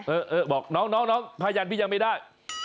เออบอกน้องผ้ายันพี่ยังไม่ได้